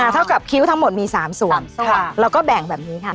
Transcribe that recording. เท่ากับคิ้วทั้งหมดมี๓ส่วนเราก็แบ่งแบบนี้ค่ะ